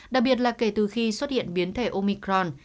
đặc biệt là kể từ khi xuất hiện biến thể omicron